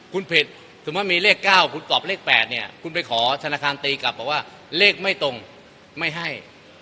คุณผิดสมมุติมีเลข๙คุณตอบเลข๘เนี่ยคุณไปขอธนาคารตีกลับบอกว่าเลขไม่ตรงไม่ให้